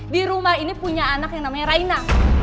di rumah ini punya anak yang namanya raina